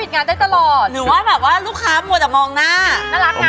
น่ารักอ่ะ